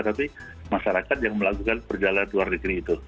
tapi masyarakat yang melakukan perjalanan luar negeri itu